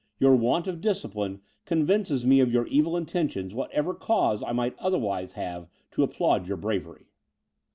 Your want of discipline convinces me of your evil intentions, whatever cause I might otherwise have to applaud your bravery."